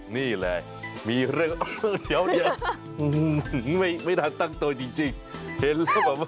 นี่แหละมีเรื่องเดี๋ยวไม่ได้ตั้งตัวจริง